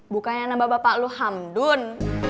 bukannya nabah bapak lu hamdun